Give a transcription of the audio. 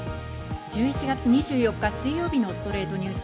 １１月２４日、水曜日の『ストレイトニュース』。